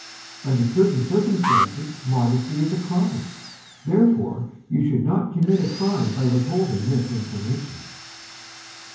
Under certain circumstances modesty is a crime; therefore, you should not commit a crime by withholding this information.